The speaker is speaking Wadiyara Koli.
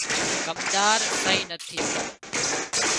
ڪمۮار سئي نٿي